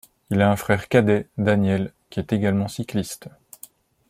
Il a un frère cadet, Daniel, qui est également cycliste.